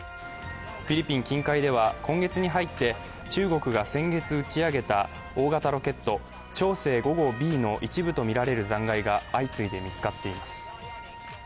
フィリピン近海では今月に入って中国が先月打ち上げた大型ロケット「長征５号Ｂ」の一部とみられる残骸が相次いで見つかっています。